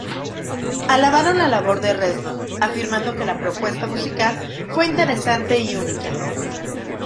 Alabaron la labor de Reznor, afirmando que la propuesta musical fue "interesante y única".